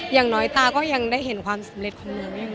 อย่างน้อยตาก็ยังได้เห็นความสำเร็จของหนูอยู่